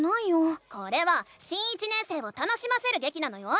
これは新１年生を楽しませるげきなのよ！